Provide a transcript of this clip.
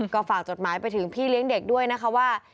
ก็ฝากจดหมายไปถึงพี่เลี้ยงเด็กด้วยนะคะว่า